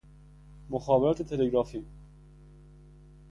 مخابرات تلگرافی